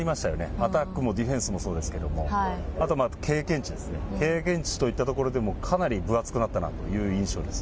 アタックもディフェンスもそうですけど、あと経験値ですね、経験値といったところでも、かなり分厚くなったなという印象です。